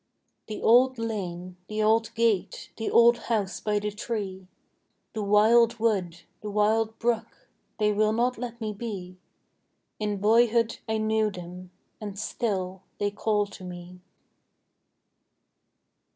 The old lane, the old gate, the old house by the tree; The wild wood, the wild brook they will not let me be: In boyhood I knew them, and still they call to me.